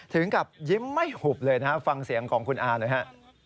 ถึงกับยิ้มไม่หุบเลยนะฮะฟังเสียงของคุณอาหน่อยฮะ